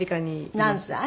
何歳？